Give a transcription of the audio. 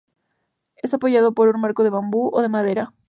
Es apoyado por un marco de bambú o de madera.